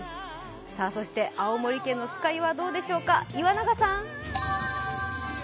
そして青森県の酸ヶ湯はどうでしょうか、岩永さん